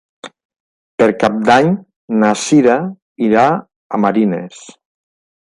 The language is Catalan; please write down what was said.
Per Cap d'Any na Cira irà a Marines.